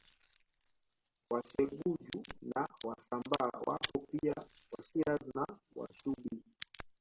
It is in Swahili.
Wasegeju na Washambaa wapo pia Washirazi na Washubi